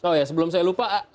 oh ya sebelum saya lupa